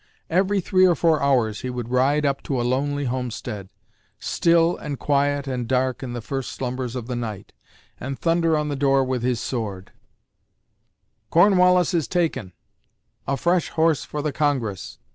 Every three or four hours he would ride up to a lonely homestead, still and quiet and dark in the first slumbers of the night, and thunder on the door with his sword: "Cornwallis is taken: a fresh horse for the Congress!"